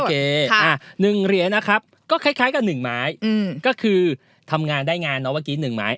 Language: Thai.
๑เหรียญนะครับก็คล้ายกับ๑ไม้ก็คือทำงานได้งานเนาะเมื่อกี้๑ไม้